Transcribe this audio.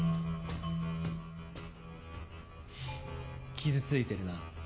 傷ついてるな。